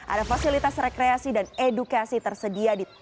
ada fasilitas rekreasi dan edukasi tersedia di taman honda